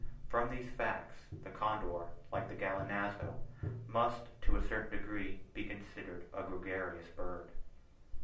From these facts, the condor, like the gallinazo, must to a certain degree be considered as a gregarious bird.